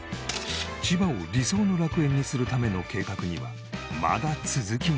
千葉を理想の楽園にするための計画にはまだ続きがあった。